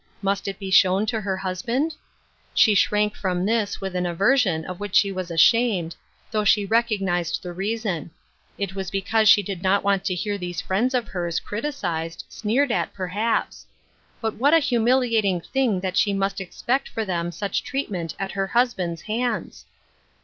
Must it be shown to her husband ? She shrank from this with an aversion of which she was ashamed, though she recognized the reason ; it was because she did not want to hear these friends of hers criti cised, sneered at, perhaps ; but what a humiliating thing that she must expect for them such treat ment at her husband's hands